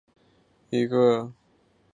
艾辛格毁灭之战的其中一个重要事件。